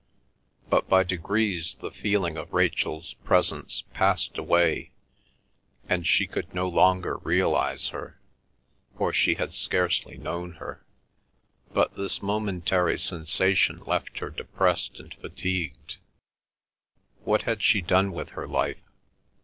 But by degrees the feeling of Rachel's presence passed away, and she could no longer realise her, for she had scarcely known her. But this momentary sensation left her depressed and fatigued. What had she done with her life?